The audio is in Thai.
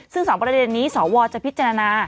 ซึ่ง๒ประเด็นนี้สวจะพิจารณา